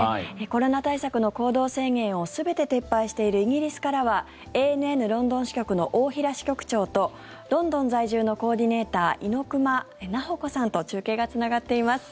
コロナ対策の行動制限を全て撤廃しているイギリスからはＡＮＮロンドン支局の大平支局長とロンドン在住のコーディネーター猪熊奈保子さんと中継がつながっています。